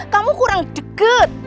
kamu kurang deket